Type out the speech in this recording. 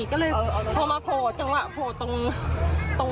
ก็ก็โชว์มาโผล่สร้างคำตรวะตรงน้